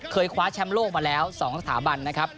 คว้าแชมป์โลกมาแล้ว๒สถาบันนะครับ